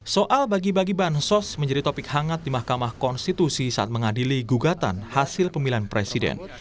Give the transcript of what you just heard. soal bagi bagi bansos menjadi topik hangat di mahkamah konstitusi saat mengadili gugatan hasil pemilihan presiden